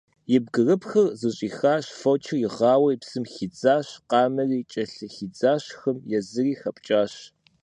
И бгырыпхыр зыщӀихащ, фочыр игъауэри, псым хидзащ, къамэри кӀэлъыхидзащ хым, езыри хэпкӀащ.